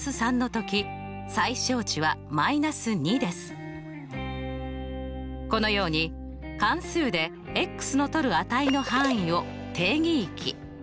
つまりこのように関数でのとる値の範囲を定義域。